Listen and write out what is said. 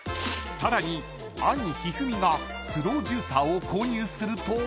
［さらに兄一二三がスロージューサーを購入すると］